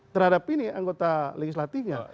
terhadap ini anggota legislatifnya